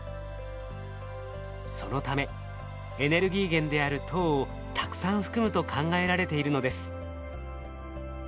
そのためエネルギー源である糖をたくさん含むと考えられているのです。